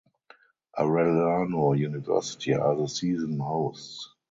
Arellano University are the season hosts.